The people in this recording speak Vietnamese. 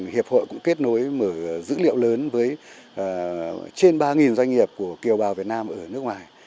hiệp hội cũng kết nối mở dữ liệu lớn với trên ba doanh nghiệp của kiều bào việt nam ở nước ngoài